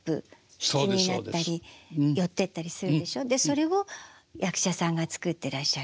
それを役者さんが作ってらっしゃる。